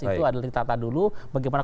itu adalah ditata dulu bagaimana